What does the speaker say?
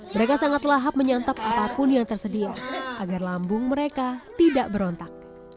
mereka sangat lahap menyantap apapun yang tersedia agar lambung mereka tidak berontak